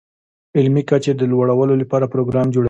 علمي کچې د لوړولو لپاره پروګرام جوړوي.